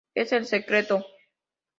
Es el secreto...